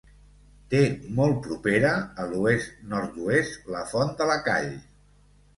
Té molt propera, a l'oest-nord-oest, la Font de la Call.